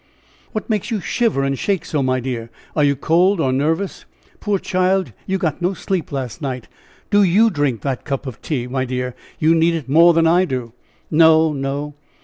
"What makes you shiver and shake so, my dear? Are you cold or nervous? Poor child, you got no sleep last night. Do you drink that cup of tea, my dear. You need it more than I do." "No, no."